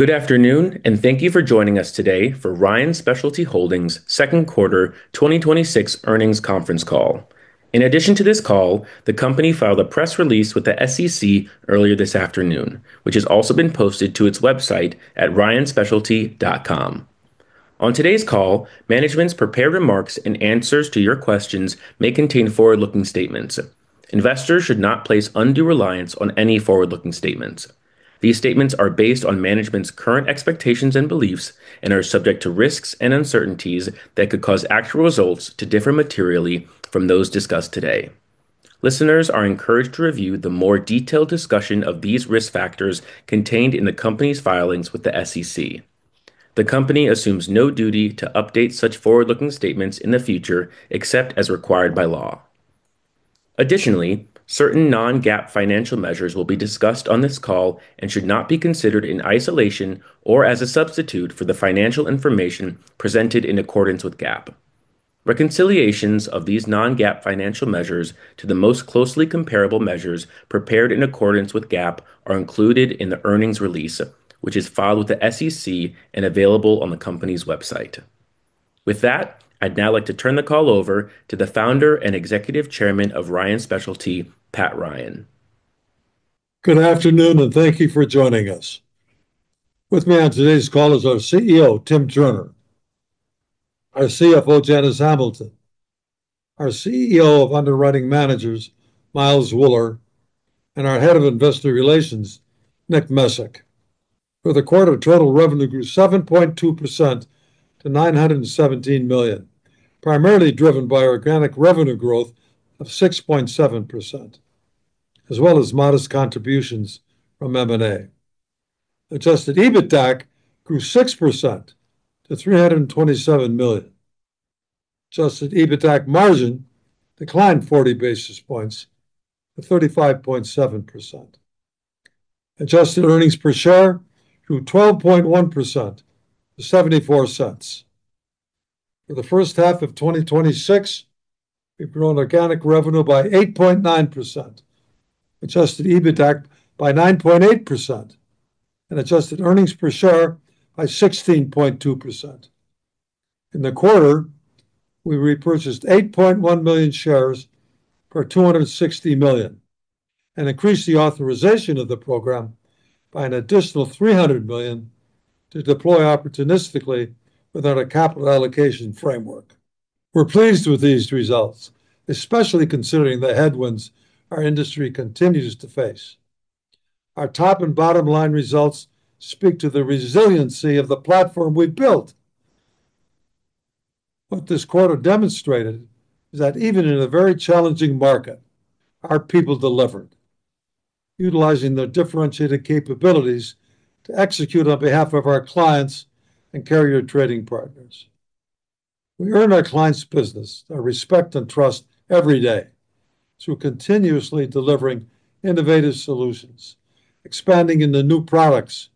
Good afternoon. Thank you for joining us today for Ryan Specialty Holdings' second quarter 2026 earnings conference call. In addition to this call, the company filed a press release with the SEC earlier this afternoon, which has also been posted to its website at ryanspecialty.com. On today's call, management's prepared remarks and answers to your questions may contain forward-looking statements. Investors should not place undue reliance on any forward-looking statements. These statements are based on management's current expectations and beliefs and are subject to risks and uncertainties that could cause actual results to differ materially from those discussed today. Listeners are encouraged to review the more detailed discussion of these risk factors contained in the company's filings with the SEC. The company assumes no duty to update such forward-looking statements in the future, except as required by law. Additionally, certain non-GAAP financial measures will be discussed on this call and should not be considered in isolation or as a substitute for the financial information presented in accordance with GAAP. Reconciliations of these non-GAAP financial measures to the most closely comparable measures prepared in accordance with GAAP are included in the earnings release, which is filed with the SEC and available on the company's website. With that, I'd now like to turn the call over to the Founder and Executive Chairman of Ryan Specialty, Pat Ryan. Good afternoon. Thank you for joining us. With me on today's call is our CEO, Tim Turner, our CFO, Janice Hamilton, our CEO of Underwriting Managers, Miles Wuller, and our head of investor relations, Nick Messick. For the quarter, total revenue grew 7.2% to $917 million, primarily driven by organic revenue growth of 6.7%, as well as modest contributions from M&A. Adjusted EBITDA grew 6% to $327 million. Adjusted EBITDA margin declined 40 basis points to 35.7%. Adjusted earnings per share grew 12.1% to $0.74. For the first half of 2026, we've grown organic revenue by 8.9%, adjusted EBITDA by 9.8%, and adjusted earnings per share by 16.2%. In the quarter, we repurchased 8.1 million shares for $260 million and increased the authorization of the program by an additional $300 million to deploy opportunistically within our capital allocation framework. We're pleased with these results, especially considering the headwinds our industry continues to face. Our top and bottom line results speak to the resiliency of the platform we built. What this quarter demonstrated is that even in a very challenging market, our people delivered, utilizing their differentiated capabilities to execute on behalf of our clients and carrier trading partners. We earn our clients' business, their respect and trust every day through continuously delivering innovative solutions, expanding into new products,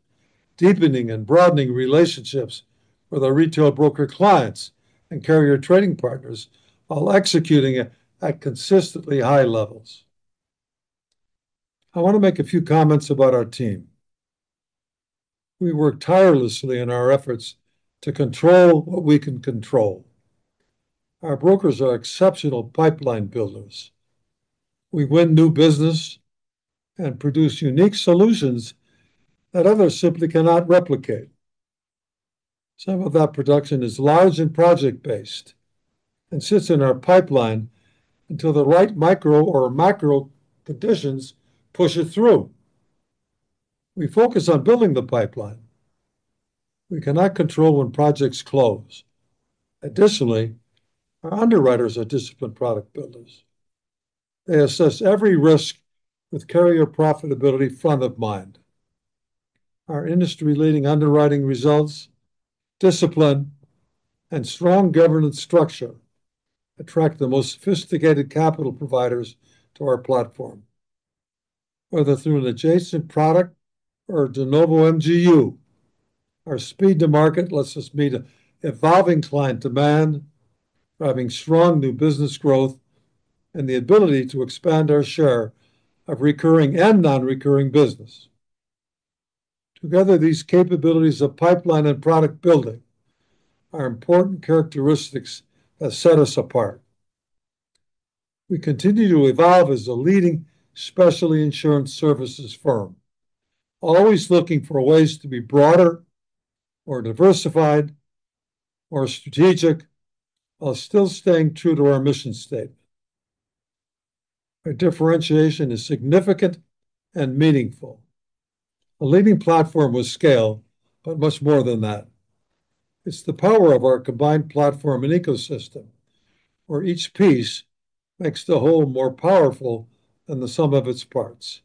deepening and broadening relationships with our retail broker clients and carrier trading partners while executing at consistently high levels. I want to make a few comments about our team. We work tirelessly in our efforts to control what we can control. Our brokers are exceptional pipeline builders. We win new business and produce unique solutions that others simply cannot replicate. Some of our production is large and project-based and sits in our pipeline until the right micro or macro conditions push it through. We focus on building the pipeline. We cannot control when projects close. Additionally, our underwriters are disciplined product builders. They assess every risk with carrier profitability front of mind. Our industry-leading underwriting results, discipline, and strong governance structure attract the most sophisticated capital providers to our platform. Whether through an adjacent product or a de novo MGU, our speed to market lets us meet evolving client demand, driving strong new business growth, and the ability to expand our share of recurring and non-recurring business. Together, these capabilities of pipeline and product building are important characteristics that set us apart. We continue to evolve as a leading specialty insurance services firm, always looking for ways to be broader or diversified or strategic while still staying true to our mission statement. Our differentiation is significant and meaningful. A leading platform with scale, but much more than that. It's the power of our combined platform and ecosystem, where each piece makes the whole more powerful than the sum of its parts.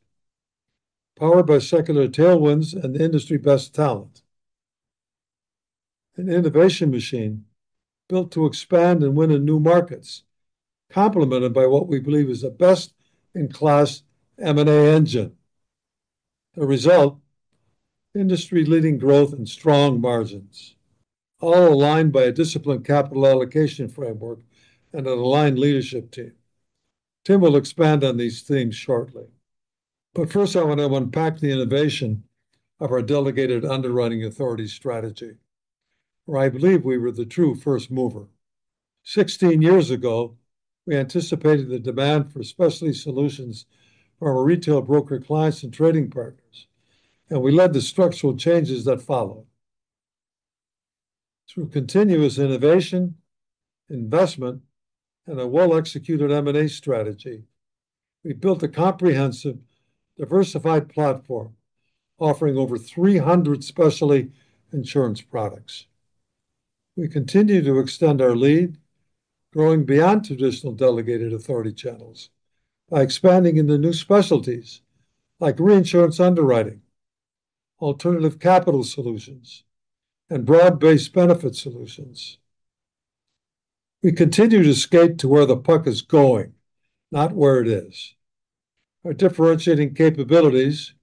Powered by secular tailwinds and industry-best talent. An innovation machine built to expand and win in new markets, complemented by what we believe is a best-in-class M&A engine. The result, industry-leading growth and strong margins, all aligned by a disciplined capital allocation framework and an aligned leadership team. Tim will expand on these themes shortly. First, I want to unpack the innovation of our delegated underwriting authority strategy, where I believe we were the true first mover. 16 years ago, we anticipated the demand for specialty solutions from our retail broker clients and trading partners, and we led the structural changes that followed. Through continuous innovation, investment, and a well-executed M&A strategy, we built a comprehensive, diversified platform offering over 300 specialty insurance products. We continue to extend our lead, growing beyond traditional delegated authority channels by expanding into new specialties like reinsurance underwriting, alternative capital solutions, and broad-based benefit solutions. We continue to skate to where the puck is going, not where it is. Our differentiating capabilities,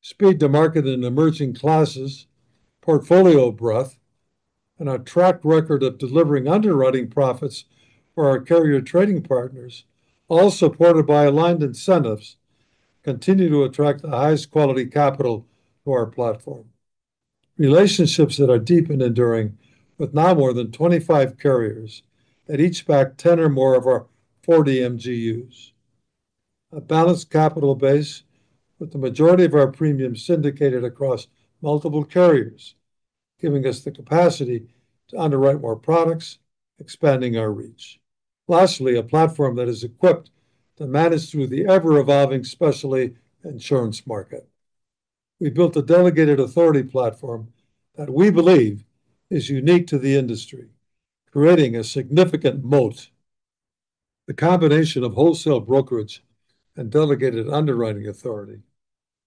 speed to market in emerging classes, portfolio breadth, and our track record of delivering underwriting profits for our carrier trading partners, all supported by aligned incentives, continue to attract the highest quality capital to our platform. Relationships that are deep and enduring with now more than 25 carriers that each back 10 or more of our 40 MGUs. A balanced capital base with the majority of our premiums syndicated across multiple carriers, giving us the capacity to underwrite more products, expanding our reach. Lastly, a platform that is equipped to manage through the ever-evolving specialty insurance market. We built a delegated authority platform that we believe is unique to the industry, creating a significant moat. The combination of wholesale brokerage and delegated underwriting authority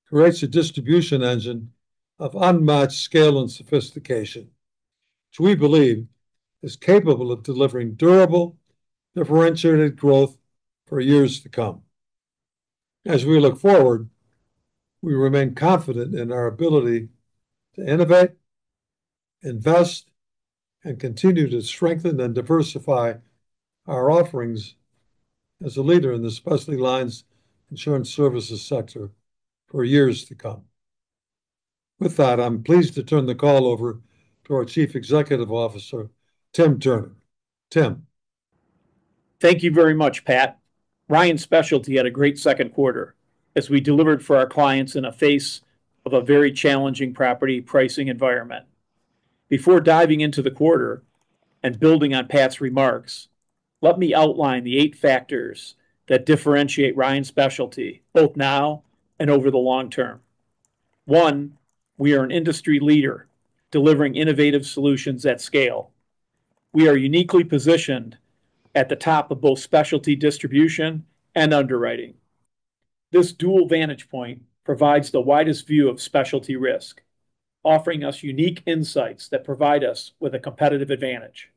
creates a distribution engine of unmatched scale and sophistication, which we believe is capable of delivering durable, differentiated growth for years to come. As we look forward, we remain confident in our ability to innovate, invest, and continue to strengthen and diversify our offerings as a leader in the specialty lines insurance services sector for years to come. With that, I'm pleased to turn the call over to our Chief Executive Officer, Tim Turner. Tim? Thank you very much, Pat. Ryan Specialty had a great second quarter as we delivered for our clients in a face of a very challenging property pricing environment. Before diving into the quarter and building on Pat's remarks, let me outline the eight factors that differentiate Ryan Specialty, both now and over the long term. One, we are an industry leader delivering innovative solutions at scale. We are uniquely positioned at the top of both specialty distribution and underwriting. This dual vantage point provides the widest view of specialty risk, offering us unique insights that provide us with a competitive advantage.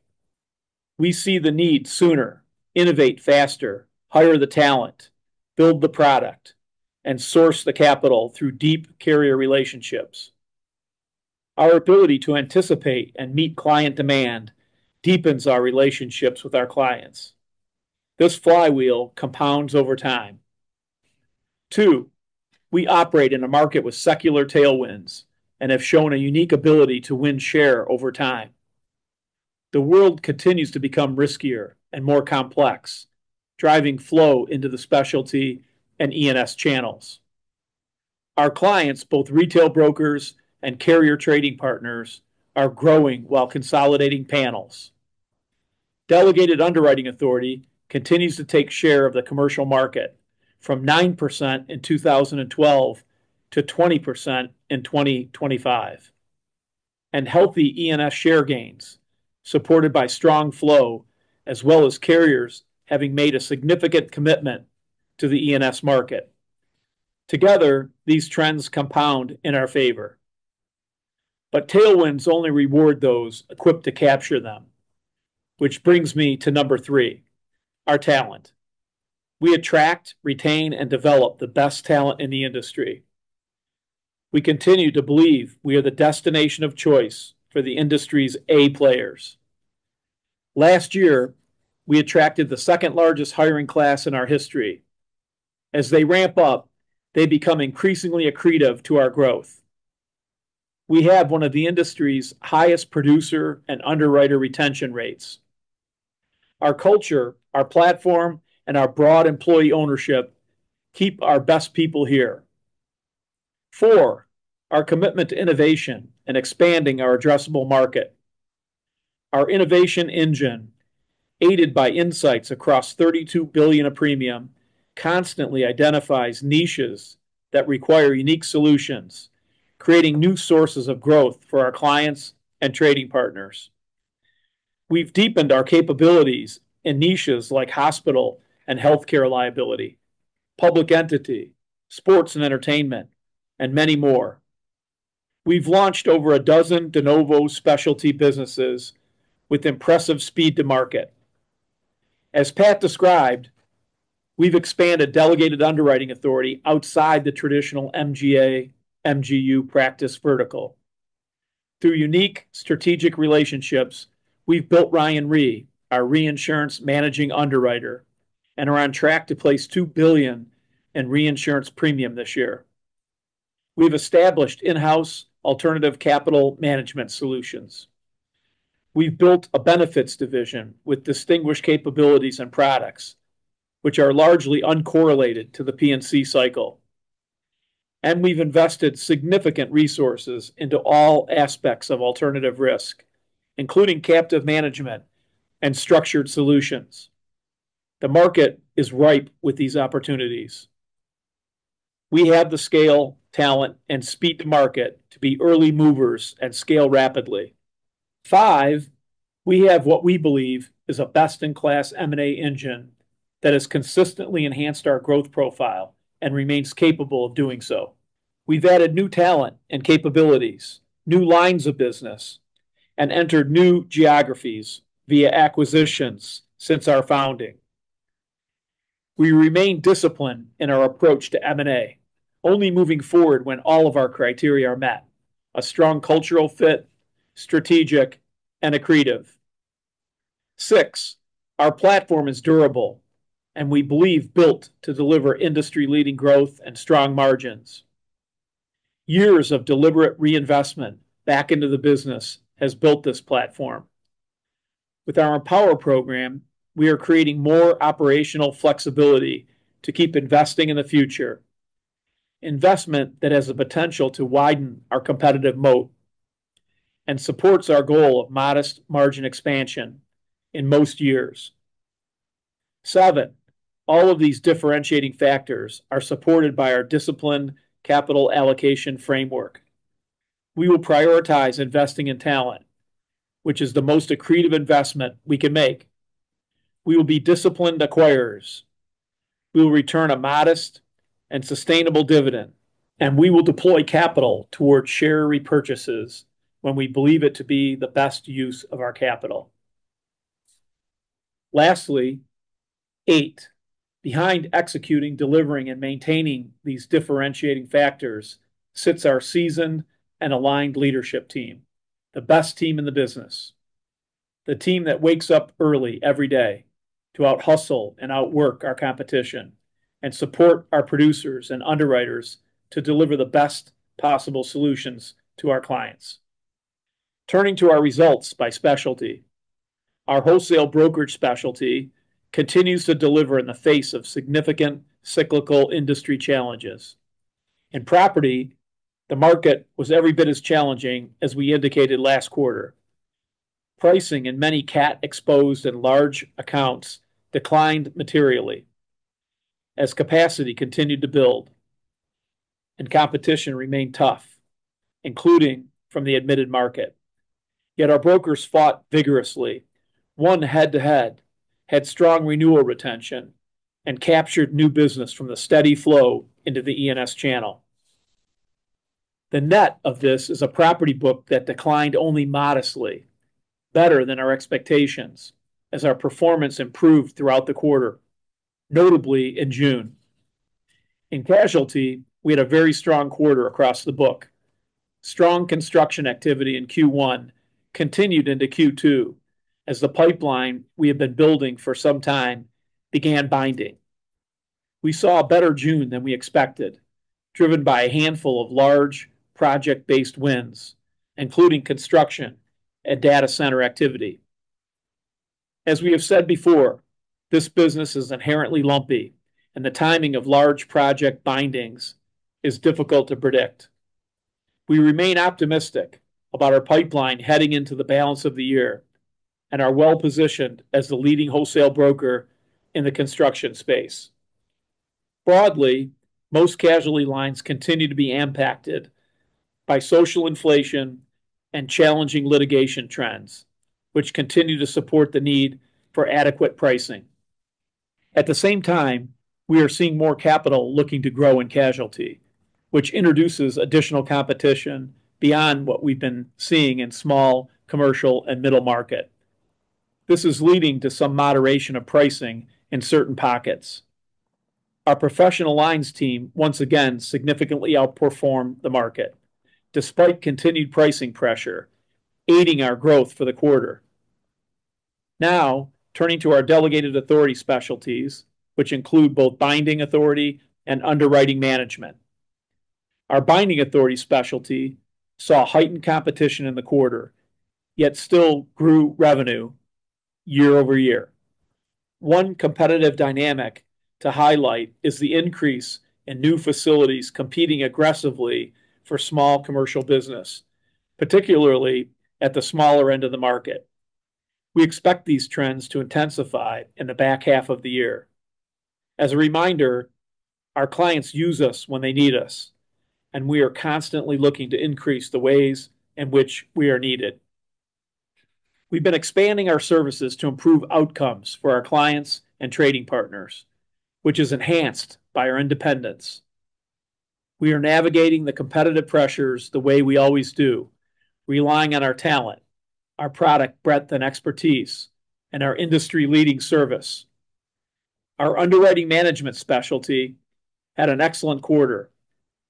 We see the need sooner, innovate faster, hire the talent, build the product, and source the capital through deep carrier relationships. Our ability to anticipate and meet client demand deepens our relationships with our clients. This flywheel compounds over time. Two, we operate in a market with secular tailwinds and have shown a unique ability to win share over time. The world continues to become riskier and more complex, driving flow into the specialty and E&S channels. Our clients, both retail brokers and carrier trading partners, are growing while consolidating panels. Delegated underwriting authority continues to take share of the commercial market from 9% in 2012 to 20% in 2025, and healthy E&S share gains supported by strong flow as well as carriers having made a significant commitment to the E&S market. Together, these trends compound in our favor. Tailwinds only reward those equipped to capture them. Which brings me to number three, our talent. We attract, retain, and develop the best talent in the industry. We continue to believe we are the destination of choice for the industry's A players. Last year, we attracted the second-largest hiring class in our history. As they ramp up, they become increasingly accretive to our growth. We have one of the industry's highest producer and underwriter retention rates. Our culture, our platform, and our broad employee ownership keep our best people here. Four, our commitment to innovation and expanding our addressable market. Our innovation engine, aided by insights across $32 billion of premium, constantly identifies niches that require unique solutions, creating new sources of growth for our clients and trading partners. We've deepened our capabilities in niches like hospital and healthcare liability, public entity, sports and entertainment, and many more. We've launched over a dozen de novo specialty businesses with impressive speed to market. As Pat described, we've expanded delegated underwriting authority outside the traditional MGA, MGU practice vertical. Through unique strategic relationships, we've built Ryan Re, our reinsurance managing underwriter, and are on track to place $2 billion in reinsurance premium this year. We've established in-house alternative capital management solutions. We've built a benefits division with distinguished capabilities and products, which are largely uncorrelated to the P&C cycle. We've invested significant resources into all aspects of alternative risk, including captive management and structured solutions. The market is ripe with these opportunities. We have the scale, talent, and speed to market to be early movers and scale rapidly. Five, we have what we believe is a best-in-class M&A engine that has consistently enhanced our growth profile and remains capable of doing so. We've added new talent and capabilities, new lines of business, and entered new geographies via acquisitions since our founding. We remain disciplined in our approach to M&A, only moving forward when all of our criteria are met, a strong cultural fit, strategic, and accretive. 6, our platform is durable and we believe built to deliver industry-leading growth and strong margins. Years of deliberate reinvestment back into the business has built this platform. With our Empower program, we are creating more operational flexibility to keep investing in the future, investment that has the potential to widen our competitive moat and supports our goal of modest margin expansion in most years. Seven, all of these differentiating factors are supported by our disciplined capital allocation framework. We will prioritize investing in talent, which is the most accretive investment we can make. We will be disciplined acquirers. We will return a modest and sustainable dividend, we will deploy capital towards share repurchases when we believe it to be the best use of our capital. Lastly, eight, behind executing, delivering, and maintaining these differentiating factors sits our seasoned and aligned leadership team, the best team in the business. The team that wakes up early every day to outhustle and outwork our competition and support our producers and underwriters to deliver the best possible solutions to our clients. Turning to our results by specialty. Our wholesale brokerage specialty continues to deliver in the face of significant cyclical industry challenges. In property, the market was every bit as challenging as we indicated last quarter. Pricing in many CAT exposed and large accounts declined materially as capacity continued to build and competition remained tough, including from the admitted market. Yet our brokers fought vigorously, won head-to-head, had strong renewal retention, and captured new business from the steady flow into the E&S channel. The net of this is a property book that declined only modestly, better than our expectations as our performance improved throughout the quarter, notably in June. In casualty, we had a very strong quarter across the book. Strong construction activity in Q1 continued into Q2 as the pipeline we have been building for some time began binding. We saw a better June than we expected, driven by a handful of large project-based wins, including construction and data center activity. As we have said before, this business is inherently lumpy and the timing of large project bindings is difficult to predict. We remain optimistic about our pipeline heading into the balance of the year and are well-positioned as the leading wholesale broker in the construction space. Broadly, most casualty lines continue to be impacted by social inflation and challenging litigation trends, which continue to support the need for adequate pricing. At the same time, we are seeing more capital looking to grow in casualty, which introduces additional competition beyond what we've been seeing in small, commercial, and middle market. This is leading to some moderation of pricing in certain pockets. Our professional lines team, once again, significantly outperformed the market, despite continued pricing pressure, aiding our growth for the quarter. Now, turning to our delegated authority specialties, which include both binding authority and underwriting management. Our binding authority specialty saw heightened competition in the quarter, yet still grew revenue year-over-year. One competitive dynamic to highlight is the increase in new facilities competing aggressively for small commercial business, particularly at the smaller end of the market. We expect these trends to intensify in the back half of the year. As a reminder, our clients use us when they need us, and we are constantly looking to increase the ways in which we are needed. We've been expanding our services to improve outcomes for our clients and trading partners, which is enhanced by our independence. We are navigating the competitive pressures the way we always do, relying on our talent, our product breadth and expertise, and our industry-leading service. Our underwriting management specialty had an excellent quarter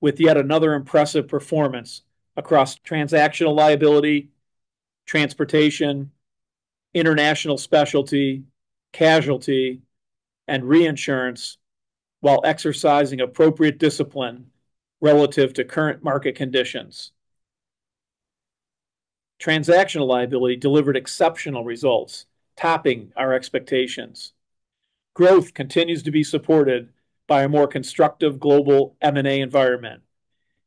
with yet another impressive performance across transactional liability, transportation, international specialty, casualty, and reinsurance while exercising appropriate discipline relative to current market conditions. Transactional liability delivered exceptional results, topping our expectations. Growth continues to be supported by a more constructive global M&A environment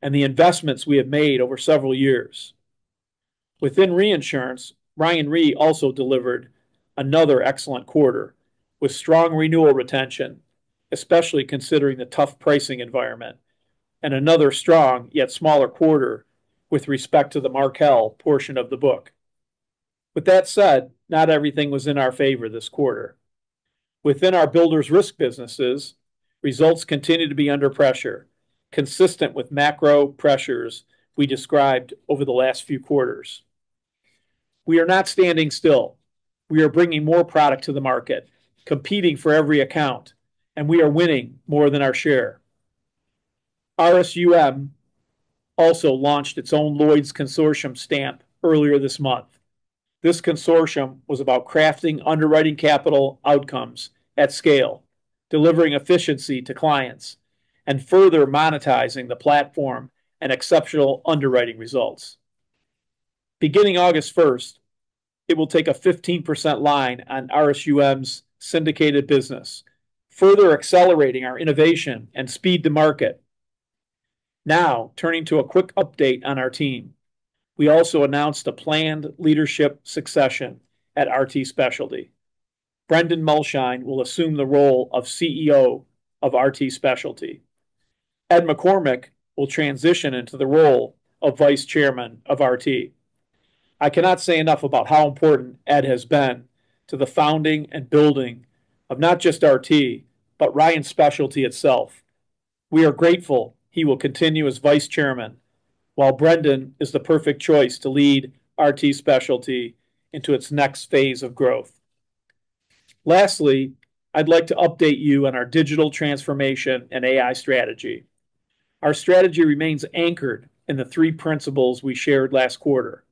and the investments we have made over several years. Within reinsurance, Ryan Re also delivered another excellent quarter with strong renewal retention, especially considering the tough pricing environment, and another strong yet smaller quarter with respect to the Markel portion of the book. With that said, not everything was in our favor this quarter. Within our builders risk businesses, results continue to be under pressure, consistent with macro pressures we described over the last few quarters. We are not standing still. We are bringing more product to the market, competing for every account, and we are winning more than our share. RSUM also launched its own Lloyd's Consortium stamp earlier this month. This consortium was about crafting underwriting capital outcomes at scale, delivering efficiency to clients, and further monetizing the platform and exceptional underwriting results. Beginning August 1st, it will take a 15% line on RSUM's syndicated business, further accelerating our innovation and speed to market. Turning to a quick update on our team. We also announced a planned leadership succession at RT Specialty. Brendan Mulshine will assume the role of CEO of RT Specialty. Ed McCormack will transition into the role of Vice Chairman of RT. I cannot say enough about how important Ed has been to the founding and building of not just RT, but Ryan Specialty itself. We are grateful he will continue as Vice Chairman while Brendan is the perfect choice to lead RT Specialty into its next phase of growth. Lastly, I'd like to update you on our digital transformation and AI strategy. Our strategy remains anchored in the three principles we shared last quarter: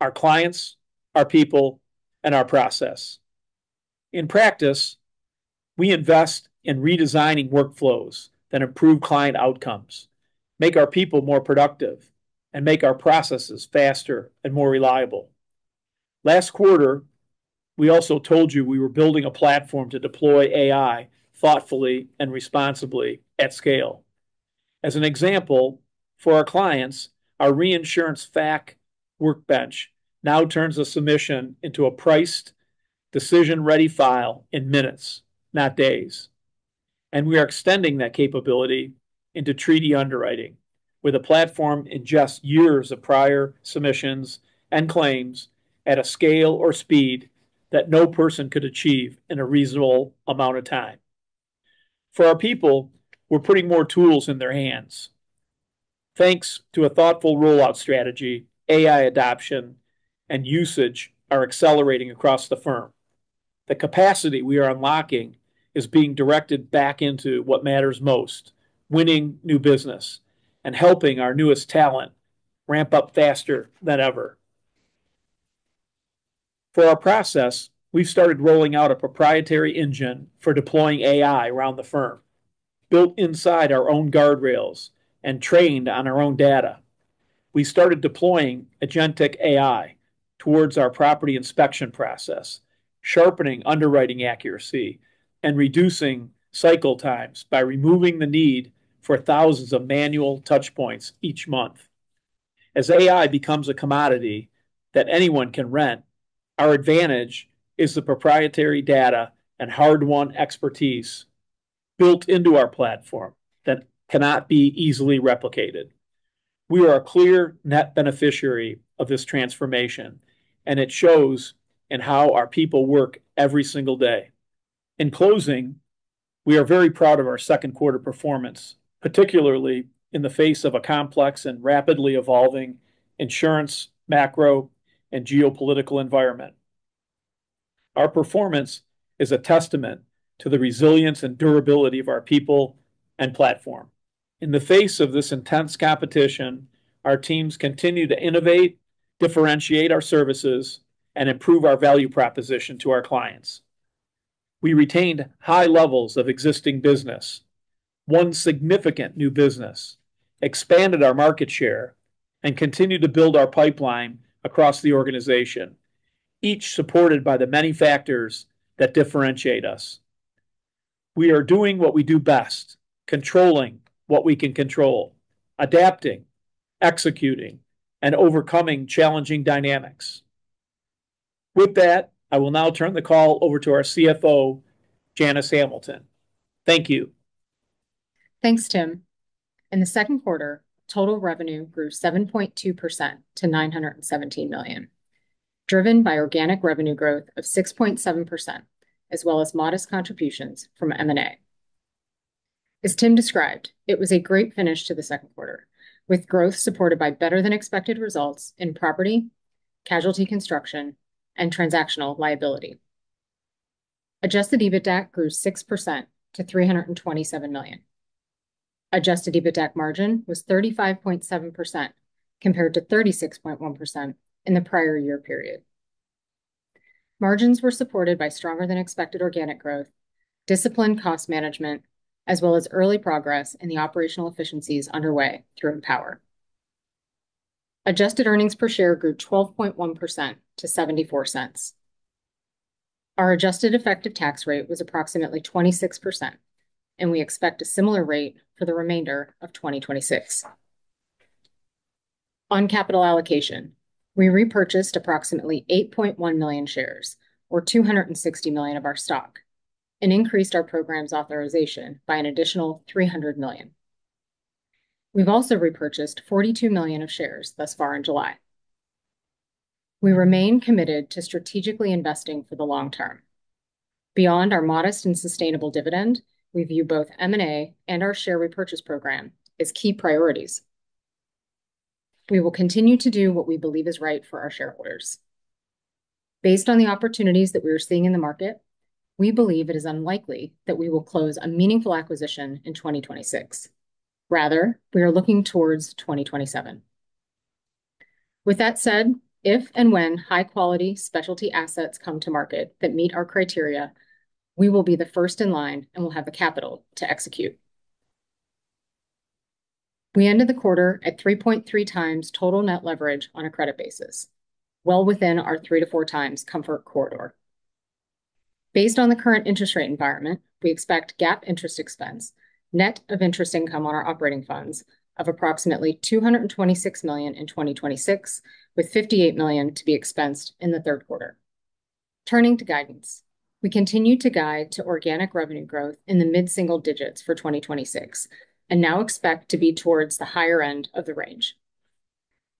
our clients, our people, and our process. In practice, we invest in redesigning workflows that improve client outcomes, make our people more productive, and make our processes faster and more reliable. Last quarter, we also told you we were building a platform to deploy AI thoughtfully and responsibly at scale. As an example, for our clients, our reinsurance FAC workbench now turns a submission into a priced decision-ready file in minutes, not days. We are extending that capability into treaty underwriting with a platform ingesting years of prior submissions and claims at a scale or speed that no person could achieve in a reasonable amount of time. For our people, we're putting more tools in their hands. Thanks to a thoughtful rollout strategy, AI adoption and usage are accelerating across the firm. The capacity we are unlocking is being directed back into what matters most, winning new business and helping our newest talent ramp up faster than ever. For our process, we've started rolling out a proprietary engine for deploying AI around the firm, built inside our own guardrails and trained on our own data. We started deploying agentic AI towards our property inspection process, sharpening underwriting accuracy, and reducing cycle times by removing the need for thousands of manual touch points each month. As AI becomes a commodity that anyone can rent, our advantage is the proprietary data and hard-won expertise built into our platform that cannot be easily replicated. We are a clear net beneficiary of this transformation, and it shows in how our people work every single day. In closing, we are very proud of our second quarter performance, particularly in the face of a complex and rapidly evolving insurance, macro, and geopolitical environment. Our performance is a testament to the resilience and durability of our people and platform. In the face of this intense competition, our teams continue to innovate, differentiate our services, and improve our value proposition to our clients. We retained high levels of existing business, won significant new business, expanded our market share, and continue to build our pipeline across the organization, each supported by the many factors that differentiate us. We are doing what we do best, controlling what we can control, adapting, executing, and overcoming challenging dynamics. I will now turn the call over to our CFO, Janice Hamilton. Thank you. Thanks, Tim. In the second quarter, total revenue grew 7.2% to $917 million, driven by organic revenue growth of 6.7%, as well as modest contributions from M&A. As Tim described, it was a great finish to the second quarter, with growth supported by better than expected results in property, casualty construction, and transactional liability. Adjusted EBITDAC grew 6% to $327 million. Adjusted EBITDAC margin was 35.7%, compared to 36.1% in the prior year period. Margins were supported by stronger than expected organic growth, disciplined cost management, as well as early progress in the operational efficiencies underway through Empower. Adjusted earnings per share grew 12.1% to $0.74. Our adjusted effective tax rate was approximately 26%, and we expect a similar rate for the remainder of 2026. On capital allocation, we repurchased approximately 8.1 million shares, or $260 million of our stock, and increased our program's authorization by an additional $300 million. We've also repurchased $42 million of shares thus far in July. We remain committed to strategically investing for the long term. Beyond our modest and sustainable dividend, we view both M&A and our share repurchase program as key priorities. We will continue to do what we believe is right for our shareholders. Based on the opportunities that we are seeing in the market, we believe it is unlikely that we will close a meaningful acquisition in 2026. Rather, we are looking towards 2027. If and when high-quality specialty assets come to market that meet our criteria, we will be the first in line and will have the capital to execute. We ended the quarter at 3.3x total net leverage on a credit basis, well within our 3x-4x comfort corridor. Based on the current interest rate environment, we expect GAAP interest expense, net of interest income on our operating funds of approximately $226 million in 2026, with $58 million to be expensed in the third quarter. Turning to guidance. We continue to guide to organic revenue growth in the mid-single digits for 2026 and now expect to be towards the higher end of the range.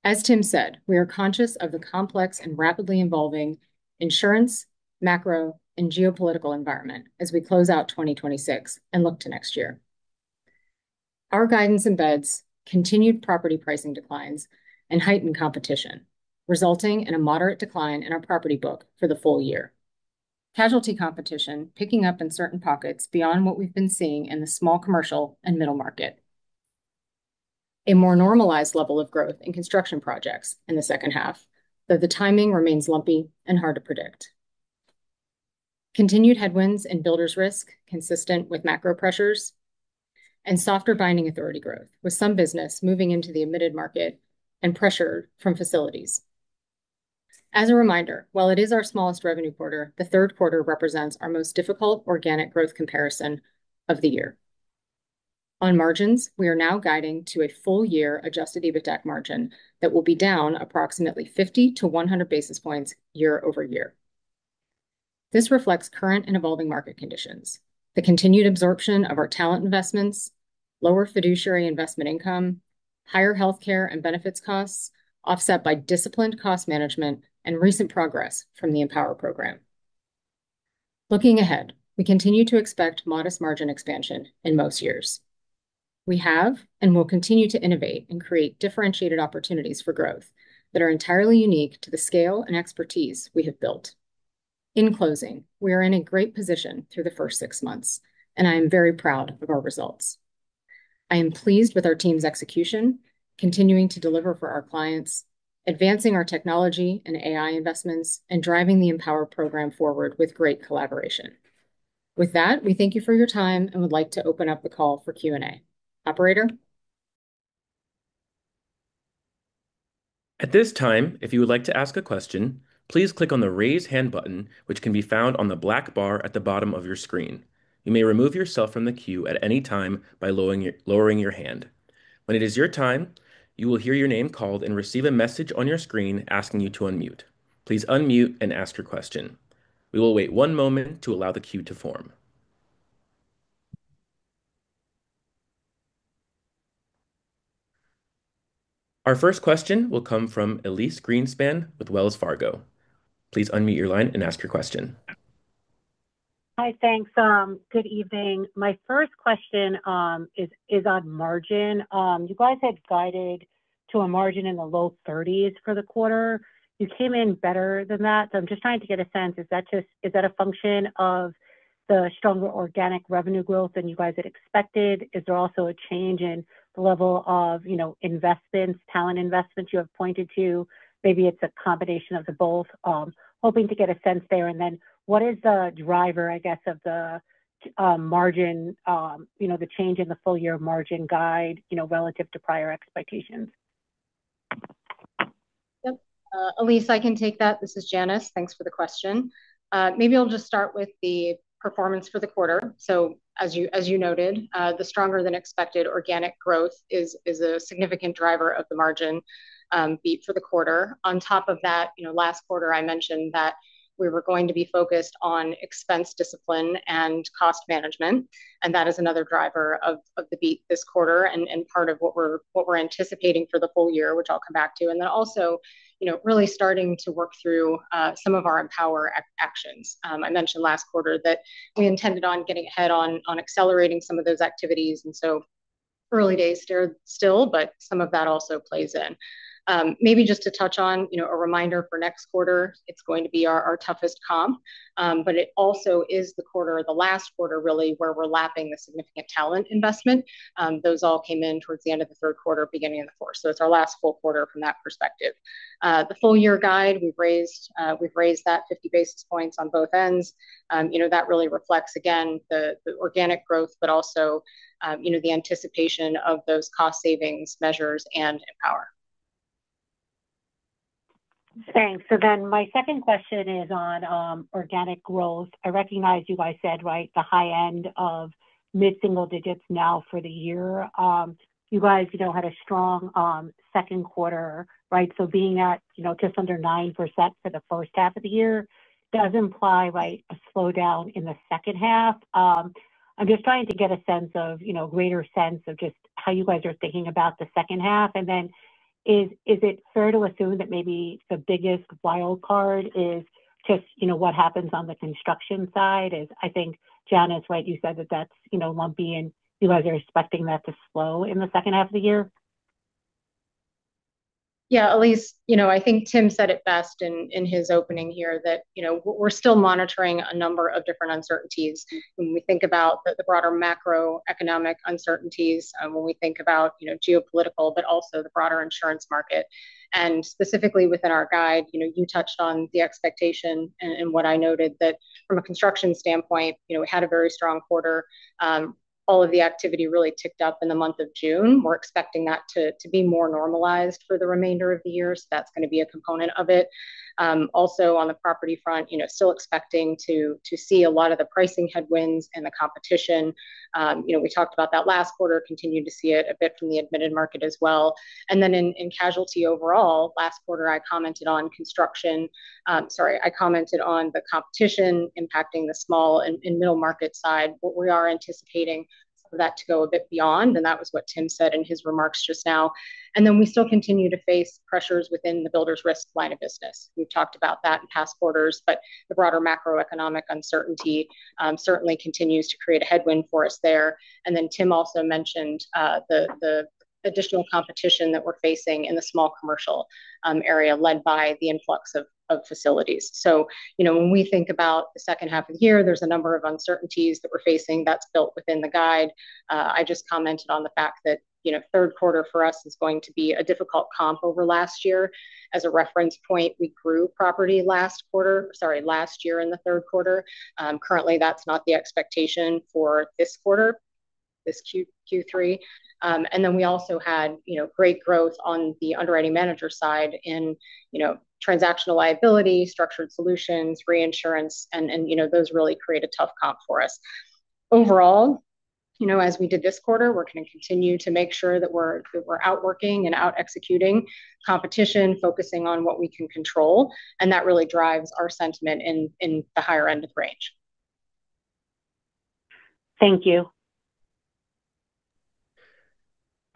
As Tim said, we are conscious of the complex and rapidly evolving insurance, macro, and geopolitical environment as we close out 2026 and look to next year. Our guidance embeds continued property pricing declines and heightened competition, resulting in a moderate decline in our property book for the full year. Casualty competition picking up in certain pockets beyond what we've been seeing in the small commercial and middle market. A more normalized level of growth in construction projects in the second half, though the timing remains lumpy and hard to predict. Continued headwinds and builders risk consistent with macro pressures and softer binding authority growth, with some business moving into the admitted market and pressure from facilities. As a reminder, while it is our smallest revenue quarter, the third quarter represents our most difficult organic growth comparison of the year. On margins, we are now guiding to a full year adjusted EBITDAC margin that will be down approximately 50 to 100 basis points year-over-year. This reflects current and evolving market conditions, the continued absorption of our talent investments, lower fiduciary investment income, higher healthcare and benefits costs offset by disciplined cost management and recent progress from the Empower program. Looking ahead, we continue to expect modest margin expansion in most years. We have and will continue to innovate and create differentiated opportunities for growth that are entirely unique to the scale and expertise we have built. In closing, we are in a great position through the first six months, and I am very proud of our results. I am pleased with our team's execution, continuing to deliver for our clients, advancing our technology and AI investments, and driving the Empower program forward with great collaboration. With that, we thank you for your time and would like to open up the call for Q&A. Operator? At this time, if you would like to ask a question, please click on the Raise Hand button, which can be found on the black bar at the bottom of your screen. You may remove yourself from the queue at any time by lowering your hand. When it is your time, you will hear your name called and receive a message on your screen asking you to unmute. Please unmute and ask your question. We will wait one moment to allow the queue to form. Our first question will come from Elyse Greenspan with Wells Fargo. Please unmute your line and ask your question. Hi, thanks. Good evening. My first question is on margin. You guys had guided to a margin in the low 30s for the quarter. You came in better than that. I'm just trying to get a sense, is that a function of the stronger organic revenue growth than you guys had expected? Is there also a change in the level of investments, talent investments you have pointed to? Maybe it's a combination of the both. Hoping to get a sense there. What is the driver, I guess, of the change in the full year margin guide relative to prior expectations? Yep. Elyse, I can take that. This is Janice. Thanks for the question. Maybe I'll just start with the performance for the quarter. As you noted, the stronger than expected organic growth is a significant driver of the margin beat for the quarter. On top of that, last quarter I mentioned that we were going to be focused on expense discipline and cost management, and that is another driver of the beat this quarter and part of what we're anticipating for the full year, which I'll come back to. Also really starting to work through some of our Empower actions. I mentioned last quarter that we intended on getting ahead on accelerating some of those activities. Early days still, but some of that also plays in. Maybe just to touch on a reminder for next quarter, it's going to be our toughest comp. It also is the quarter or the last quarter really where we're lapping the significant talent investment. Those all came in towards the end of the third quarter, beginning of the fourth. It's our last full quarter from that perspective. The full year guide, we've raised that 50 basis points on both ends. That really reflects, again, the organic growth, but also the anticipation of those cost savings measures and Empower. Thanks. My second question is on organic growth. I recognize you guys said, right, the high end of mid-single digits now for the year. You guys had a strong second quarter, right? Being at just under 9% for the first half of the year does imply, right, a slowdown in the second half. I'm just trying to get a greater sense of just how you guys are thinking about the second half. Is it fair to assume that maybe the biggest wild card is just what happens on the construction side? As I think, Janice, right, you said that that's lumpy and you guys are expecting that to slow in the second half of the year? Elyse, I think Tim said it best in his opening here that we're still monitoring a number of different uncertainties when we think about the broader macroeconomic uncertainties, when we think about geopolitical, but also the broader insurance market. Specifically within our guide, you touched on the expectation and what I noted that from a construction standpoint, we had a very strong quarter. All of the activity really ticked up in the month of June. That's going to be a component of it. Also on the property front, still expecting to see a lot of the pricing headwinds and the competition. We talked about that last quarter, continued to see it a bit from the admitted market as well. In casualty overall, last quarter, I commented on the competition impacting the small and middle market side. We are anticipating some of that to go a bit beyond, and that was what Tim said in his remarks just now. We still continue to face pressures within the builders risk line of business. We've talked about that in past quarters, but the broader macroeconomic uncertainty certainly continues to create a headwind for us there. Tim also mentioned the additional competition that we're facing in the small commercial area led by the influx of facilities. When we think about the second half of the year, there's a number of uncertainties that we're facing that's built within the guide. I just commented on the fact that third quarter for us is going to be a difficult comp over last year. As a reference point, we grew property last year in the third quarter. Currently, that's not the expectation for this quarter, this Q3. We also had great growth on the underwriting manager side in transactional liability, structured solutions, reinsurance, and those really create a tough comp for us. Overall, as we did this quarter, we're going to continue to make sure that we're out working and out executing competition, focusing on what we can control, and that really drives our sentiment in the higher end of range. Thank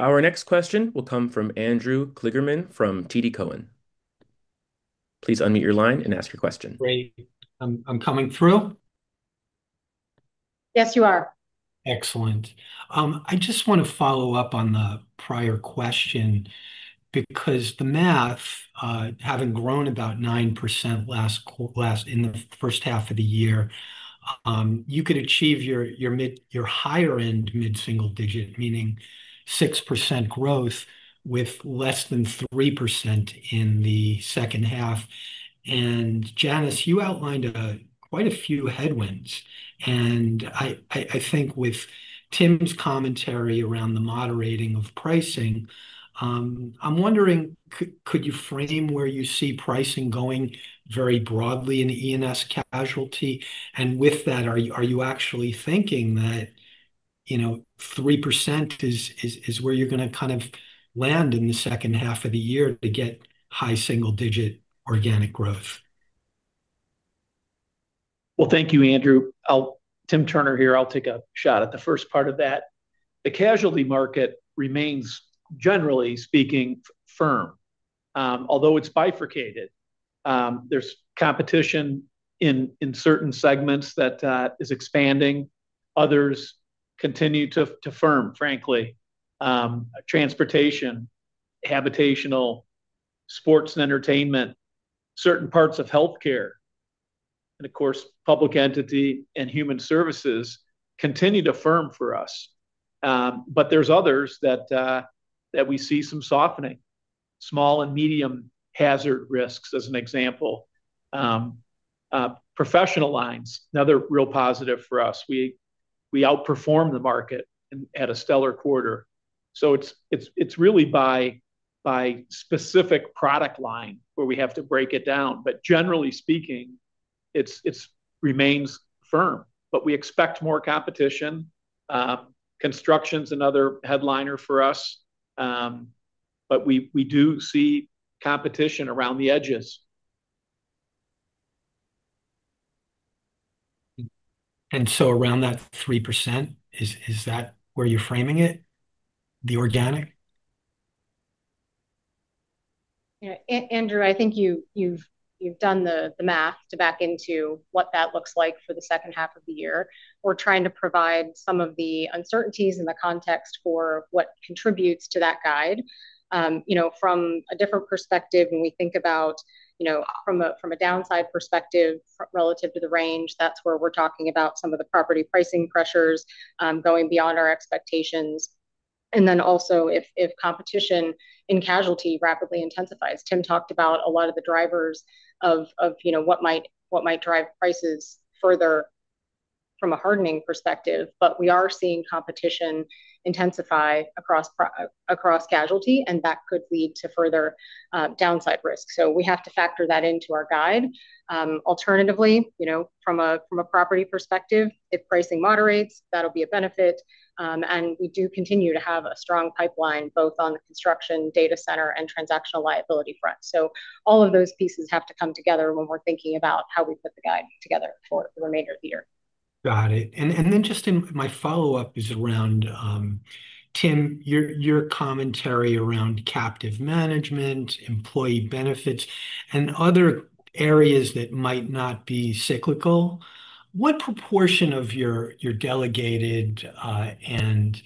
you. Our next question will come from Andrew Kligerman from TD Cowen. Please unmute your line and ask your question. Great. Am I coming through? Yes, you are. Excellent. I just want to follow up on the prior question because the math, having grown about 9% in the first half of the year, you could achieve your higher end mid-single digit, meaning 6% growth with less than 3% in the second half. Janice, you outlined quite a few headwinds, I think with Tim's commentary around the moderating of pricing, I'm wondering, could you frame where you see pricing going very broadly in the E&S casualty? With that, are you actually thinking that 3% is where you're going to kind of land in the second half of the year to get high single digit organic growth? Well, thank you, Andrew. Tim Turner here. I'll take a shot at the first part of that. The casualty market remains, generally speaking, firm. It's bifurcated. There's competition in certain segments that is expanding. Others continue to firm, frankly. Transportation, habitational, sports and entertainment, certain parts of healthcare, and of course, public entity and human services continue to firm for us. There's others that we see some softening. Small and medium hazard risks, as an example. Professional lines, another real positive for us. We outperformed the market at a stellar quarter. It's really by specific product line where we have to break it down. Generally speaking, it remains firm. We expect more competition. Construction's another headliner for us. We do see competition around the edges. Around that 3%, is that where you're framing it, the organic? Yeah, Andrew, I think you've done the math to back into what that looks like for the second half of the year. We're trying to provide some of the uncertainties and the context for what contributes to that guide. From a different perspective, when we think about from a downside perspective relative to the range, that's where we're talking about some of the property pricing pressures going beyond our expectations, and also if competition in casualty rapidly intensifies. Tim talked about a lot of the drivers of what might drive prices further from a hardening perspective. We are seeing competition intensify across casualty, and that could lead to further downside risk. We have to factor that into our guide. Alternatively, from a property perspective, if pricing moderates, that'll be a benefit. We do continue to have a strong pipeline both on the construction data center and transactional liability front. All of those pieces have to come together when we're thinking about how we put the guide together for the remainder of the year. Got it. Just in my follow-up is around, Tim, your commentary around captive management, employee benefits, and other areas that might not be cyclical. What proportion of your delegated and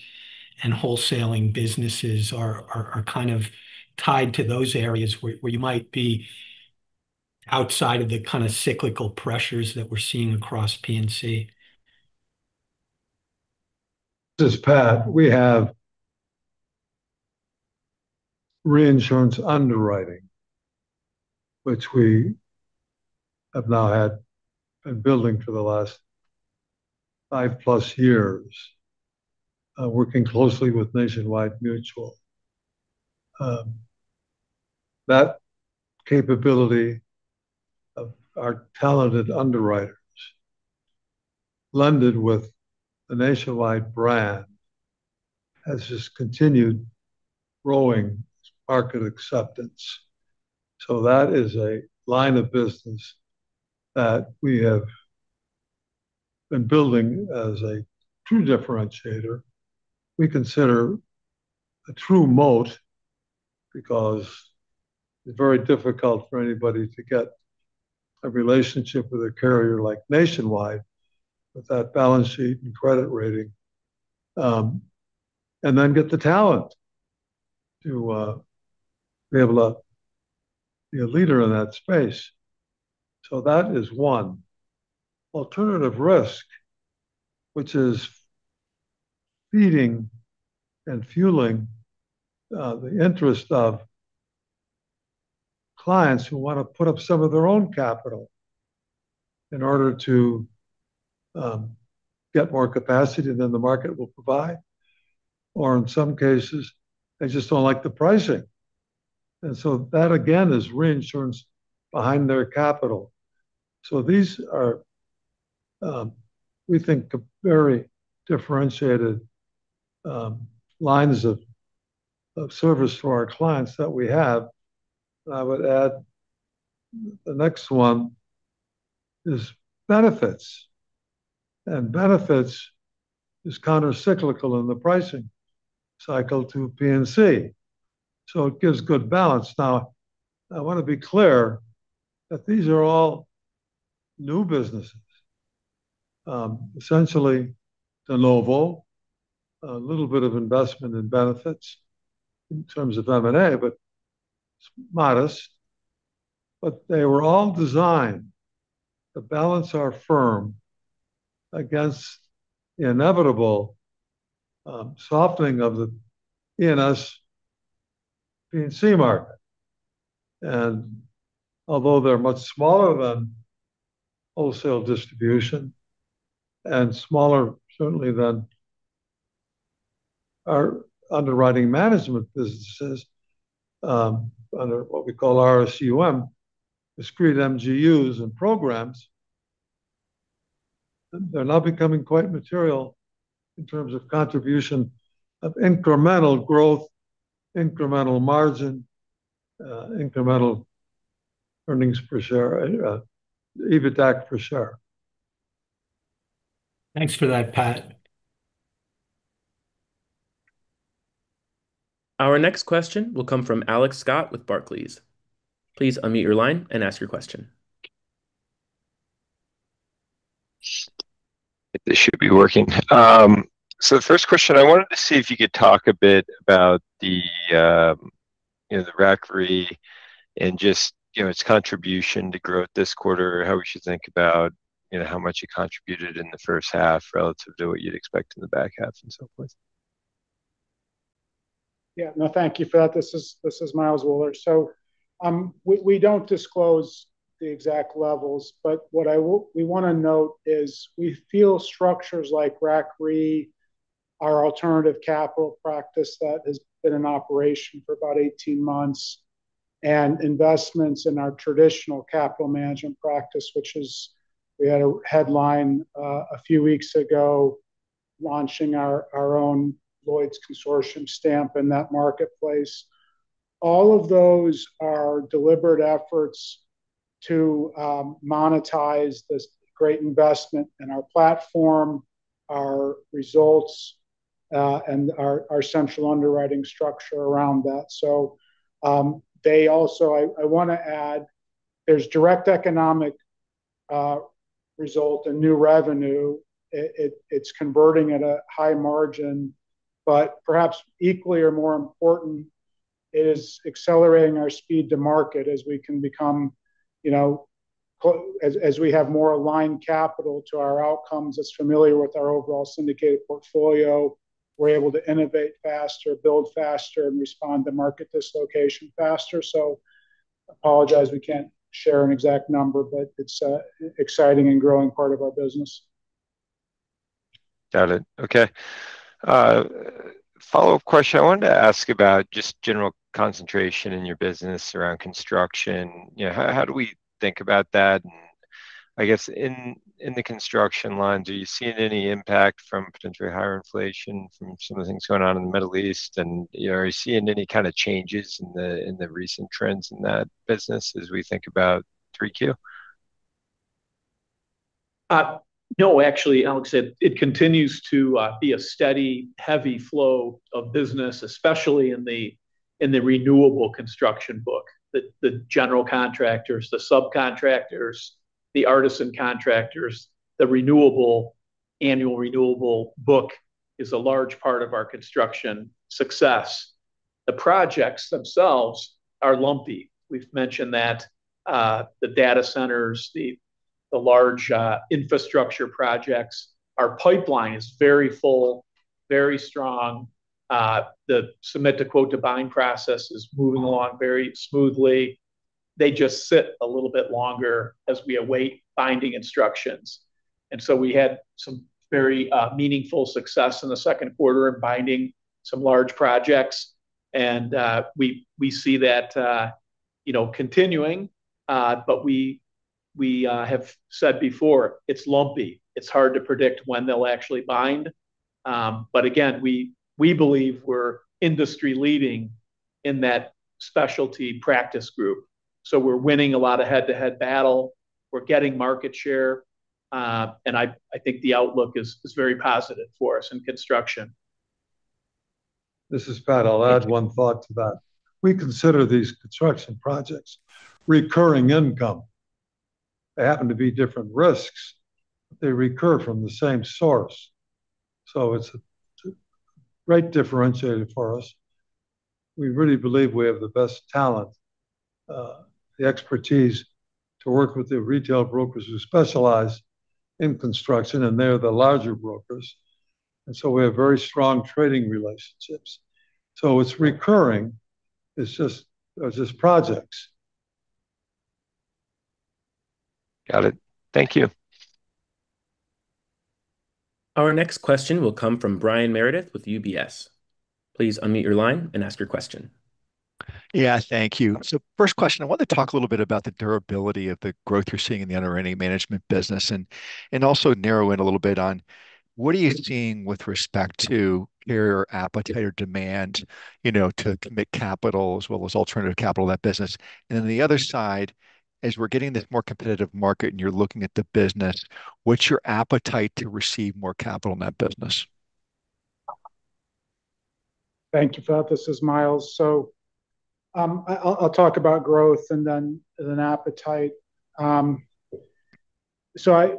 wholesaling businesses are kind of tied to those areas where you might be outside of the kind of cyclical pressures that we're seeing across P&C? This is Pat. We have reinsurance underwriting, which we have now had been building for the last 5+ years, working closely with Nationwide Mutual. That capability of our talented underwriters, blended with the Nationwide brand, has just continued growing its market acceptance. We consider a true moat because it's very difficult for anybody to get a relationship with a carrier like Nationwide with that balance sheet and credit rating, and then get the talent to be able to be a leader in that space. That is one alternative risk, which is feeding and fueling the interest of clients who want to put up some of their own capital in order to get more capacity than the market will provide. In some cases, they just don't like the pricing. That, again, is reinsurance behind their capital. These are, we think, very differentiated lines of service for our clients that we have. I would add the next one is benefits. Benefits is counter-cyclical in the pricing cycle to P&C, so it gives good balance. Now, I want to be clear that these are all new businesses, essentially de novo, a little bit of investment in benefits in terms of M&A, but it's modest. They were all designed to balance our firm against the inevitable softening of the P&C market. Although they're much smaller than wholesale distribution and smaller certainly than our underwriting management businesses, under what we call our RSUM, discrete MGUs and programs, they're now becoming quite material in terms of contribution of incremental growth, incremental margin, incremental earnings per share, EBITDAC per share. Thanks for that, Pat. Our next question will come from Alex Scott with Barclays. Please unmute your line and ask your question. The first question, I wanted to see if you could talk a bit about the RAC Re and just its contribution to growth this quarter, how we should think about how much it contributed in the first half relative to what you'd expect in the back half and so forth. Yeah. No, thank you for that. This is Miles Wuller. We don't disclose the exact levels, but what we want to note is we feel structures like RAC Re, our alternative capital practice that has been in operation for about 18 months, and investments in our traditional capital management practice, which is we had a headline a few weeks ago launching our own Lloyd's consortium stamp in that marketplace. All of those are deliberate efforts. To monetize this great investment in our platform, our results, and our central underwriting structure around that. I want to add, there's direct economic result and new revenue. It's converting at a high margin, but perhaps equally or more important, it is accelerating our speed to market as we have more aligned capital to our outcomes. It's familiar with our overall syndicated portfolio. We're able to innovate faster, build faster, and respond to market dislocation faster. I apologize, we can't share an exact number, but it's an exciting and growing part of our business. Got it. Okay. Follow-up question. I wanted to ask about just general concentration in your business around construction. How do we think about that? I guess in the construction line, are you seeing any impact from potentially higher inflation from some of the things going on in the Middle East? Are you seeing any kind of changes in the recent trends in that business as we think about 3Q? No, actually, Alex, it continues to be a steady, heavy flow of business, especially in the renewable construction book. The general contractors, the subcontractors, the artisan contractors, the annual renewable book is a large part of our construction success. The projects themselves are lumpy. We've mentioned that the data centers, the large infrastructure projects, our pipeline is very full, very strong. The submit to quote to bind process is moving along very smoothly. They just sit a little bit longer as we await binding instructions. We had some very meaningful success in the second quarter in binding some large projects. We see that continuing, but we have said before, it's lumpy. It's hard to predict when they'll actually bind. Again, we believe we're industry leading in that specialty practice group. We're winning a lot of head-to-head battle. We're getting market share. I think the outlook is very positive for us in construction. This is Pat. I'll add one thought to that. We consider these construction projects recurring income. They happen to be different risks. They recur from the same source. It's a great differentiator for us. We really believe we have the best talent, the expertise to work with the retail brokers who specialize in construction, and they're the larger brokers. We have very strong trading relationships. It's recurring. It's just projects. Got it. Thank you. Our next question will come from Brian Meredith with UBS. Please unmute your line and ask your question. Yeah, thank you. First question, I wanted to talk a little bit about the durability of the growth you're seeing in the underwriting management business and also narrow in a little bit on what are you seeing with respect to carrier appetite or demand to commit capital as well as alternative capital in that business? Then the other side, as we're getting this more competitive market and you're looking at the business, what's your appetite to receive more capital in that business? Thank you for that. This is Miles. I'll talk about growth and then appetite.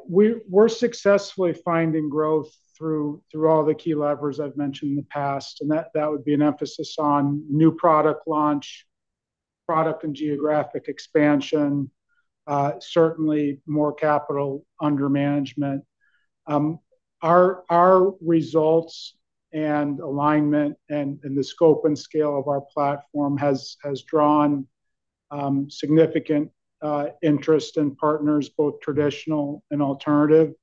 We're successfully finding growth through all the key levers I've mentioned in the past, and that would be an emphasis on new product launch, product and geographic expansion, certainly more capital under management. Our results and alignment and the scope and scale of our platform has drawn significant interest in partners, both traditional and alternative.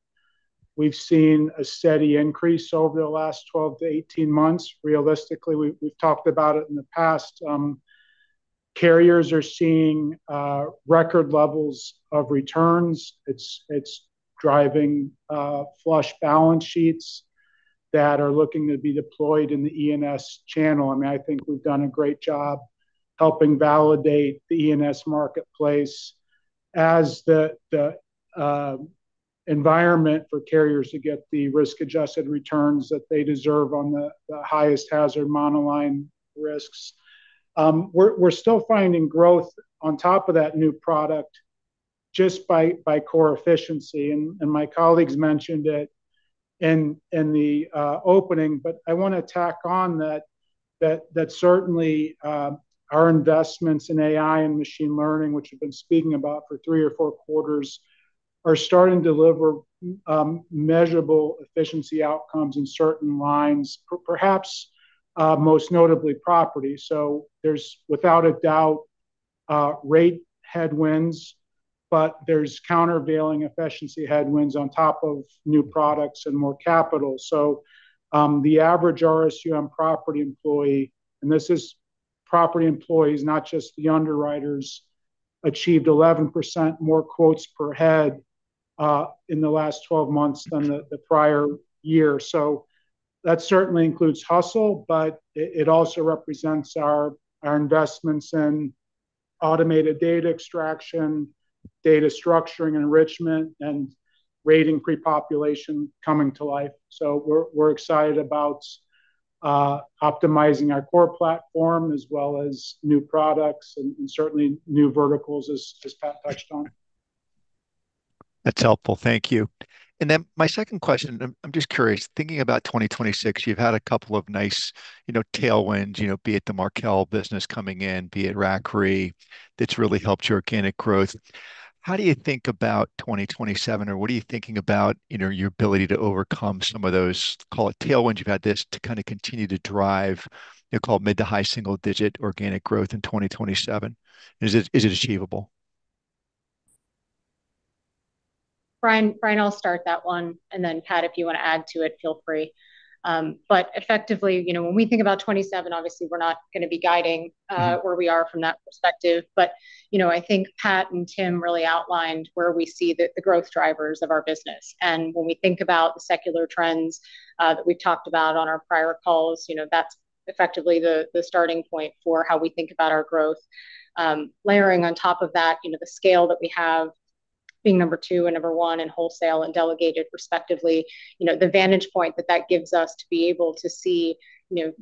We've seen a steady increase over the last 12-18 months. Realistically, we've talked about it in the past. Carriers are seeing record levels of returns. It's driving flush balance sheets that are looking to be deployed in the E&S channel. I think we've done a great job helping validate the E&S marketplace as the environment for carriers to get the risk-adjusted returns that they deserve on the highest hazard monoline risks. We're still finding growth on top of that new product just by core efficiency. My colleagues mentioned it in the opening, but I want to tack on that certainly our investments in AI and machine learning, which we've been speaking about for three or four quarters, are starting to deliver measurable efficiency outcomes in certain lines, perhaps most notably property. There's without a doubt rate headwinds, but there's countervailing efficiency headwinds on top of new products and more capital. The average RSUM on property employee, and this is property employees, not just the underwriters, achieved 11% more quotes per head In the last 12 months than the prior year. That certainly includes hustle, but it also represents our investments in automated data extraction, data structuring, enrichment, and rating pre-population coming to life. We're excited about optimizing our core platform as well as new products and certainly new verticals as Pat touched on. That's helpful. Thank you. My second question, I'm just curious, thinking about 2026, you've had a couple of nice tailwinds, be it the Markel business coming in, be it RAC Re, that's really helped your organic growth. How do you think about 2027? What are you thinking about your ability to overcome some of those, call it tailwinds, you've had this, to kind of continue to drive, you call it mid to high single digit organic growth in 2027? Is it achievable? Brian, I'll start that one, and then Pat, if you want to add to it, feel free. Effectively, when we think about 2027, obviously we're not going to be guiding where we are from that perspective. I think Pat and Tim really outlined where we see the growth drivers of our business. When we think about the secular trends that we've talked about on our prior calls, that's effectively the starting point for how we think about our growth. Layering on top of that, the scale that we have being number two and number one in wholesale and delegated respectively, the vantage point that that gives us to be able to see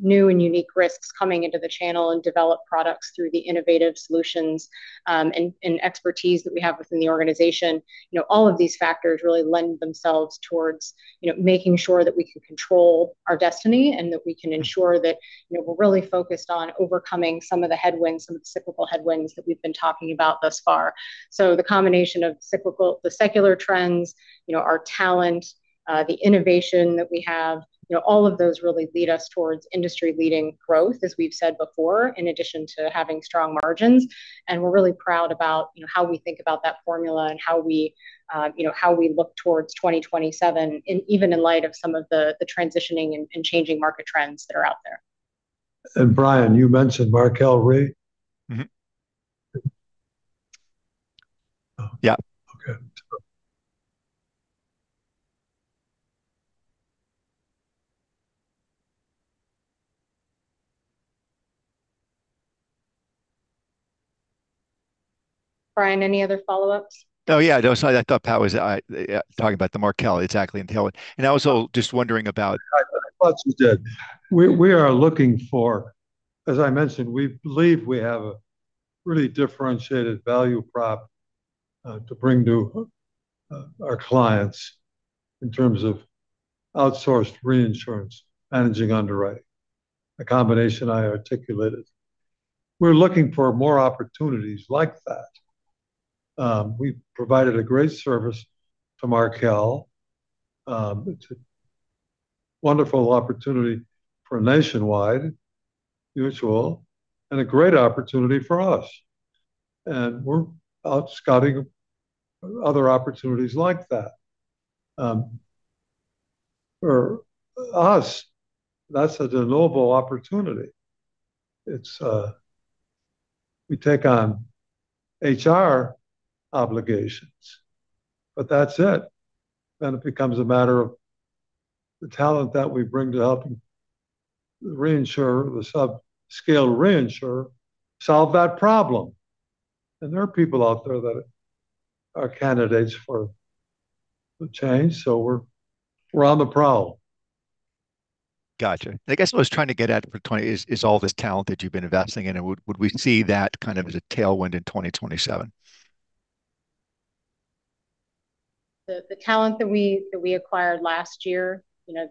new and unique risks coming into the channel and develop products through the innovative solutions, and expertise that we have within the organization. All of these factors really lend themselves towards making sure that we can control our destiny and that we can ensure that we're really focused on overcoming some of the headwinds, some of the cyclical headwinds that we've been talking about thus far. The combination of the secular trends, our talent, the innovation that we have, all of those really lead us towards industry-leading growth, as we've said before, in addition to having strong margins. We're really proud about how we think about that formula and how we look towards 2027, even in light of some of the transitioning and changing market trends that are out there. Brian, you mentioned Markel Re? Yeah. Okay. Brian, any other follow-ups? Oh yeah, no, sorry. I thought Pat was talking about the Markel exactly and tailwind. I was also just wondering about. I thought you did. We are looking for, as I mentioned, we believe we have a really differentiated value prop to bring to our clients in terms of outsourced reinsurance, managing underwriting. A combination I articulated. We're looking for more opportunities like that. We've provided a great service to Markel. It's a wonderful opportunity for Nationwide Mutual and a great opportunity for us. We're out scouting other opportunities like that. For us, that's a de novo opportunity. We take on HR obligations, but that's it. It becomes a matter of the talent that we bring to helping the reinsurer, the sub-scale reinsurer, solve that problem. There are people out there that are candidates for the change. We're on the prowl. Got you. I guess what I was trying to get at for 2020 is all this talent that you've been investing in, would we see that kind of as a tailwind in 2027? The talent that we acquired last year,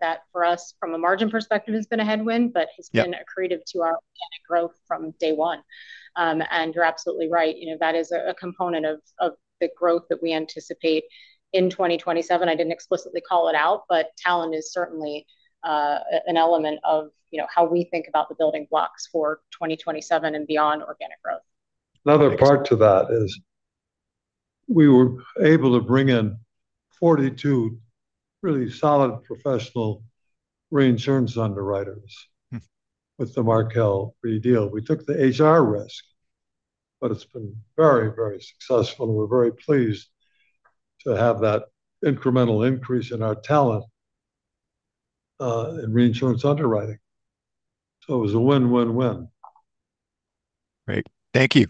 that for us from a margin perspective has been a headwind. Yeah has been accretive to our organic growth from day one. You're absolutely right. That is a component of the growth that we anticipate in 2027. I didn't explicitly call it out, but talent is certainly an element of how we think about the building blocks for 2027 and beyond organic growth. Another part to that is we were able to bring in 42 really solid professional reinsurance underwriters with the Markel Re deal. We took the HR risk, but it's been very, very successful, and we're very pleased to have that incremental increase in our talent, in reinsurance underwriting. It was a win, win. Great. Thank you.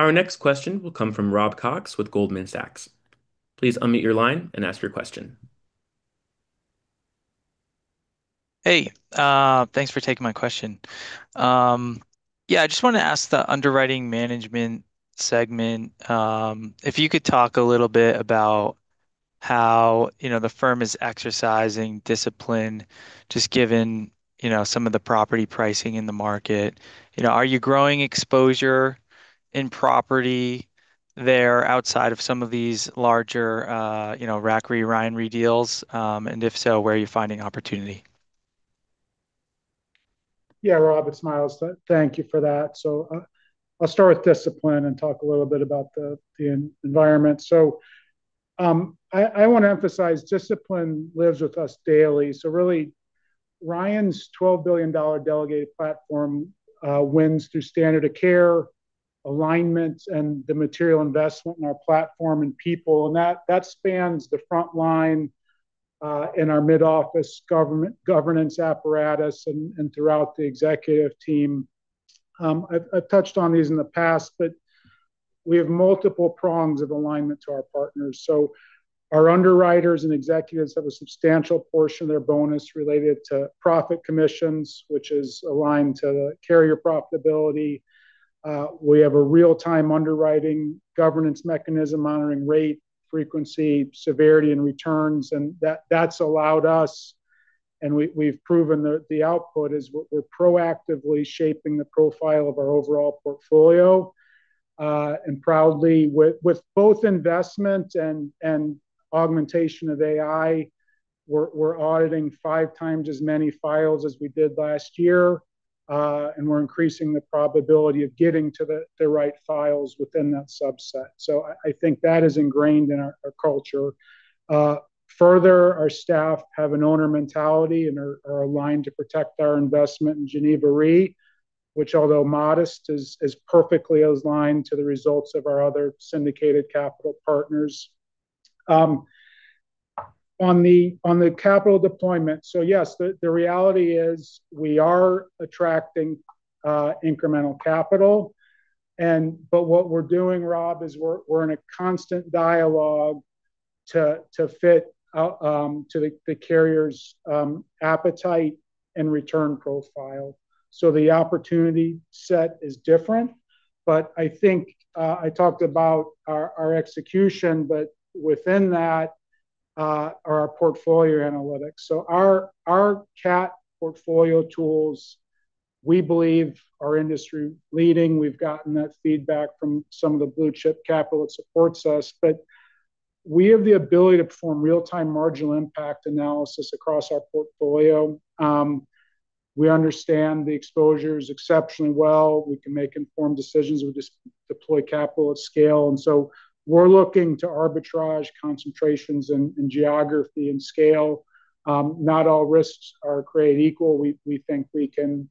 Our next question will come from Rob Cox with Goldman Sachs. Please unmute your line and ask your question. Hey, thanks for taking my question. Yeah, I just want to ask the underwriting management segment, if you could talk a little bit about how the firm is exercising discipline, just given some of the property pricing in the market. Are you growing exposure in property there outside of some of these larger RAC Re, Ryan Re deals? If so, where are you finding opportunity? Yeah, Rob, it's Miles. Thank you for that. I'll start with discipline and talk a little bit about the environment. I want to emphasize discipline lives with us daily. Really Ryan's $12 billion delegated platform wins through standard of care alignment and the material investment in our platform and people, and that spans the front line in our mid-office government governance apparatus and throughout the executive team. I've touched on these in the past, but we have multiple prongs of alignment to our partners. Our underwriters and executives have a substantial portion of their bonus related to profit commissions, which is aligned to the carrier profitability. We have a real-time underwriting governance mechanism monitoring rate, frequency, severity, and returns. That's allowed us, and we've proven the output, is we're proactively shaping the profile of our overall portfolio. Proudly, with both investment and augmentation of AI, we're auditing five times as many files as we did last year, and we're increasing the probability of getting to the right files within that subset. I think that is ingrained in our culture. Further, our staff have an owner mentality and are aligned to protect our investment in Gen Re, which, although modest, is perfectly aligned to the results of our other syndicated capital partners. On the capital deployment, yes, the reality is we are attracting incremental capital, but what we're doing, Rob, is we're in a constant dialogue to fit the carrier's appetite and return profile. The opportunity set is different. I think I talked about our execution, but within that are our portfolio analytics. Our CAT portfolio tools, we believe, are industry-leading. We've gotten that feedback from some of the blue-chip capital that supports us. We have the ability to perform real-time marginal impact analysis across our portfolio. We understand the exposures exceptionally well. We can make informed decisions. We just deploy capital at scale. We're looking to arbitrage concentrations in geography and scale. Not all risks are created equal. We think we can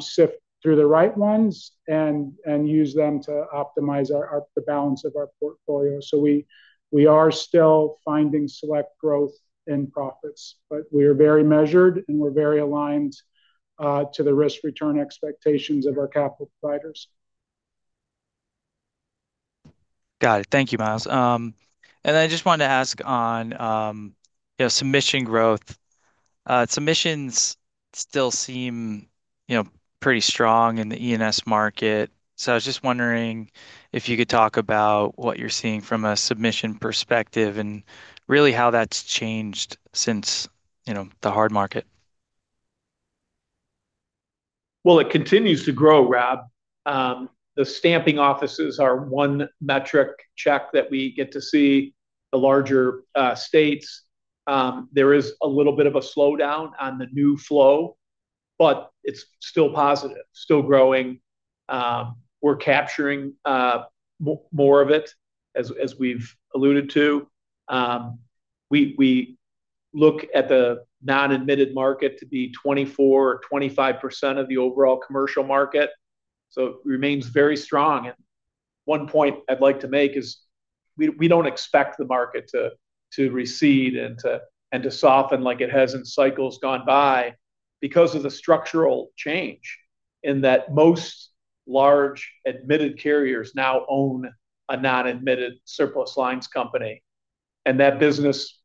sift through the right ones and use them to optimize the balance of our portfolio. We are still finding select growth in profits, but we are very measured, and we're very aligned to the risk-return expectations of our capital providers. Got it. Thank you, Miles. I just wanted to ask on submission growth. Submissions still seem pretty strong in the E&S market. I was just wondering if you could talk about what you're seeing from a submission perspective and really how that's changed since the hard market. Well, it continues to grow, Rob. The stamping offices are one metric check that we get to see the larger states. There is a little bit of a slowdown on the new flow, but it's still positive, still growing. We're capturing more of it, as we've alluded to. We look at the non-admitted market to be 24% or 25% of the overall commercial market, it remains very strong. One point I'd like to make is we don't expect the market to recede and to soften like it has in cycles gone by because of the structural change in that most large admitted carriers now own a non-admitted surplus lines company, and that business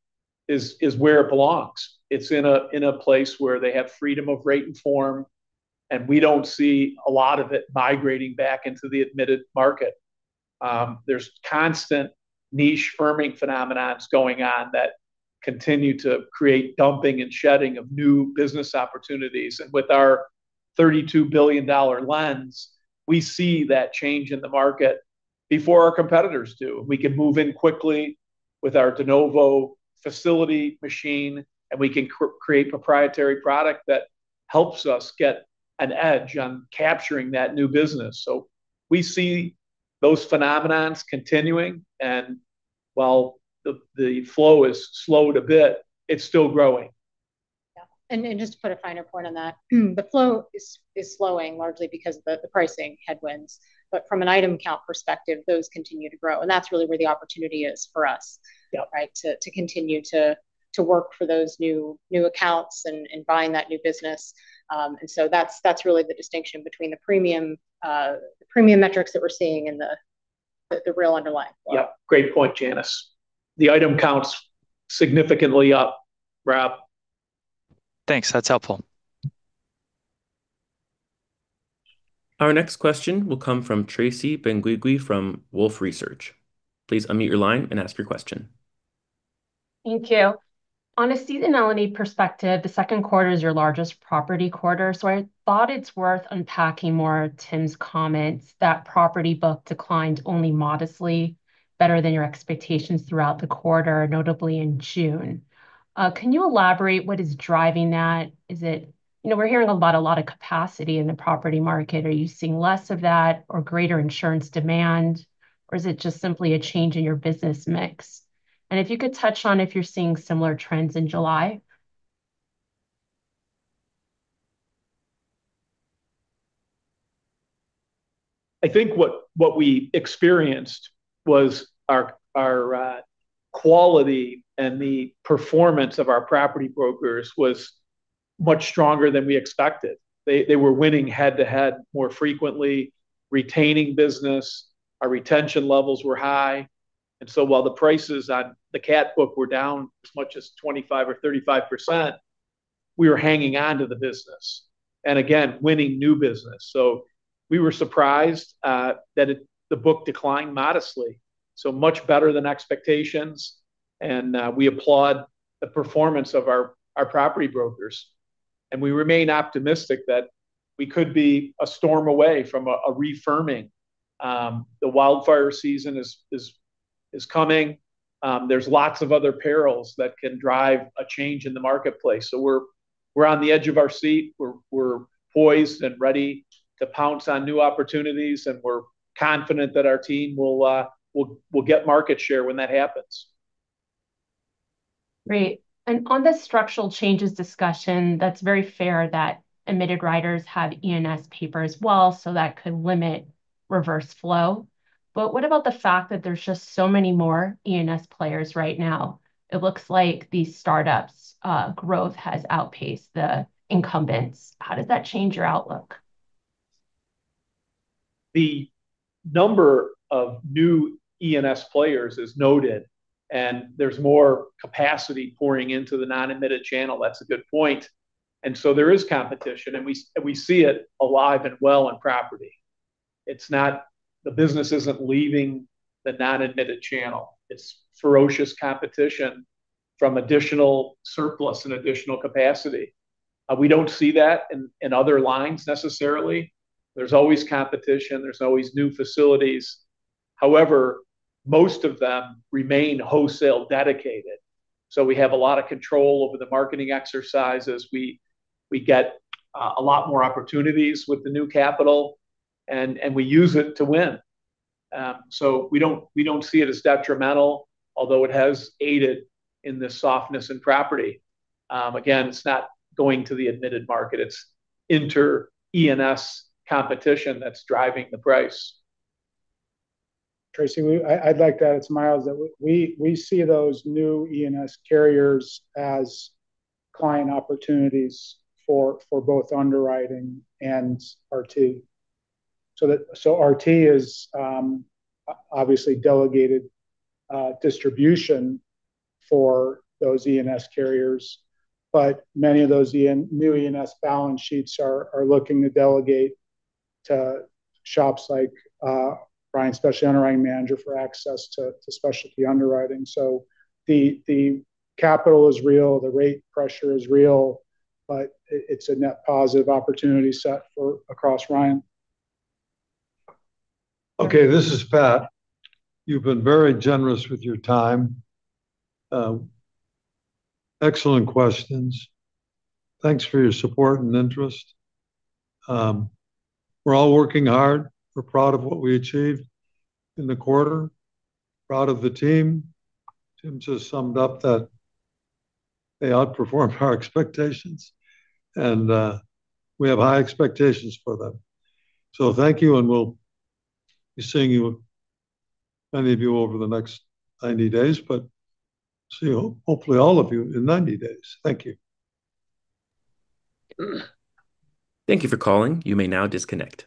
is where it belongs. It's in a place where they have freedom of rate and form, and we don't see a lot of it migrating back into the admitted market. There's constant niche firming phenomenons going on that continue to create dumping and shedding of new business opportunities. With our $32 billion lens, we see that change in the market before our competitors do. We can move in quickly with our de novo facility machine, we can create proprietary product that helps us get an edge on capturing that new business. We see those phenomenons continuing, and while the flow has slowed a bit, it's still growing. Yeah. Just to put a finer point on that, the flow is slowing largely because of the pricing headwinds. From an item count perspective, those continue to grow, and that's really where the opportunity is for us. Yeah right. To continue to work for those new accounts and bind that new business. That's really the distinction between the premium metrics that we're seeing and the real underlying flow. Yeah. Great point, Janice. The item count's significantly up, Rob. Thanks. That's helpful. Our next question will come from Tracy Benguigui from Wolfe Research. Please unmute your line and ask your question. Thank you. On a seasonality perspective, the second quarter is your largest property quarter. I thought it's worth unpacking more of Tim's comments that property book declined only modestly better than your expectations throughout the quarter, notably in June. Can you elaborate what is driving that? Is it that we're hearing about a lot of capacity in the property market? Are you seeing less of that or greater insurance demand, or is it just simply a change in your business mix? If you could touch on if you're seeing similar trends in July. I think what we experienced was our quality and the performance of our property brokers was much stronger than we expected. They were winning head-to-head more frequently, retaining business. Our retention levels were high. While the prices on the CAT book were down as much as 25% or 35%, we were hanging on to the business, and again, winning new business. We were surprised that the book declined modestly, so much better than expectations. We applaud the performance of our property brokers, and we remain optimistic that we could be a storm away from a refirming. The wildfire season is coming. There's lots of other perils that can drive a change in the marketplace. We're on the edge of our seat. We're poised and ready to pounce on new opportunities, and we're confident that our team will get market share when that happens. Great. On the structural changes discussion, that's very fair that admitted writers have E&S paper as well, so that could limit reverse flow. What about the fact that there's just so many more E&S players right now? It looks like these startups' growth has outpaced the incumbents. How does that change your outlook? The number of new E&S players is noted, and there's more capacity pouring into the non-admitted channel. That's a good point. There is competition, and we see it alive and well in property. The business isn't leaving the non-admitted channel. It's ferocious competition from additional surplus and additional capacity. We don't see that in other lines necessarily. There's always competition, there's always new facilities. However, most of them remain wholesale dedicated. We have a lot of control over the marketing exercises. We get a lot more opportunities with the new capital, and we use it to win. We don't see it as detrimental, although it has aided in the softness in property. Again, it's not going to the admitted market, it's inter-E&S competition that's driving the price. Tracy, I'd like to add to Miles, that we see those new E&S carriers as client opportunities for both underwriting and RT. RT is obviously delegated distribution for those E&S carriers. Many of those new E&S balance sheets are looking to delegate to shops like Ryan Specialty Underwriting Managers for access to specialty underwriting. The capital is real, the rate pressure is real, but it's a net positive opportunity set for across Ryan Specialty. Okay, this is Pat. You've been very generous with your time. Excellent questions. Thanks for your support and interest. We're all working hard. We're proud of what we achieved in the quarter, proud of the team. Tim just summed up that they outperformed our expectations, and we have high expectations for them. Thank you, and we'll be seeing you, many of you, over the next 90 days, but see, hopefully, all of you in 90 days. Thank you. Thank you for calling. You may now disconnect.